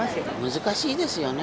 難しいですよね。